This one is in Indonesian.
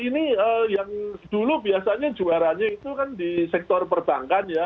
ini yang dulu biasanya juaranya itu kan di sektor perbankan ya